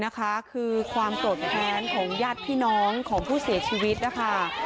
นะคะคือความโกรธแค้นของญาติพี่น้องของผู้เสียชีวิตนะคะ